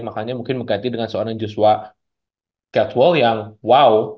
makanya mungkin mengganti dengan seorang joshua catwall yang wow